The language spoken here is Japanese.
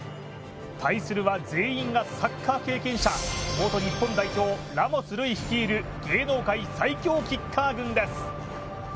対するは全員がサッカー経験者、元日本代表、ラモス瑠偉率いる芸能界最強キッカー軍です。